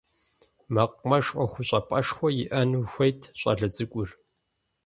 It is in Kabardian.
Мэкъумэш ӏуэхущӏапӏэшхуэ иӏэну хуейт щӏалэ цӏыкӏур.